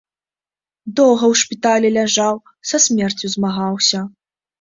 Доўга ў шпіталі ляжаў, са смерцю змагаўся.